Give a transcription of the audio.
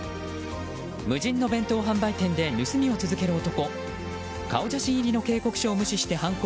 無人の弁当販売店で盗みを続ける男。